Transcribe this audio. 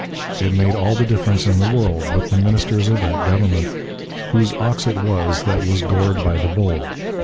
It made all the difference in the world, with the ministers of that Government, "whose ox it was that was gored by the bull."